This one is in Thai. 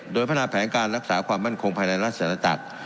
โดยพนาปแผนการรักษาความมั่นคงภายในรัฐศาสตร์และจักร